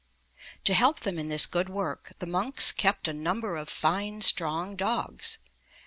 To help them in this good work, the monks kept a number of fine, strong dogs.